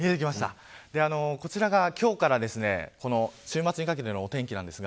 こちらが今日から週末にかけてのお天気です。